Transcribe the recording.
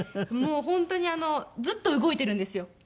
もう本当にずっと動いてるんですよ。